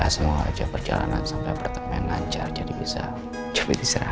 semoga saja perjalanan sampai apartemen lancar jadi bisa coba diserah